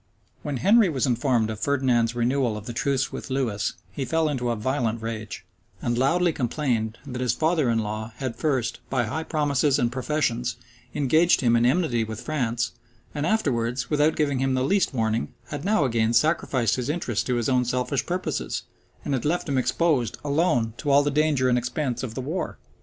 When Henry was informed of Ferdinand's renewal of the truce with Lewis, he fell into a violent rage, and loudly complained, that his father in law had first, by high promises and professions, engaged him in enmity with France, and afterwards, without giving him the least warning, had now again sacrificed his interests to his own selfish purposes, and had left him exposed alone to all the danger and expense of the war.